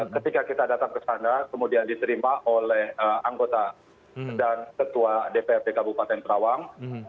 ketika kita datang ke sana kemudian diterima oleh anggota dan ketua dprd kabupaten karawang